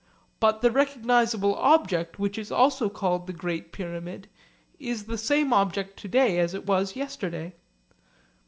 But the recognisable object which is also called the Great Pyramid is the same object to day as it was yesterday.